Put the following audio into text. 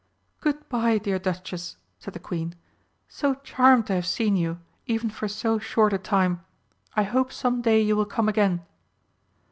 "Good bye, dear Duchess!" said the Queen. "So charmed to have seen you, even for so short a time. I hope some day you will come again."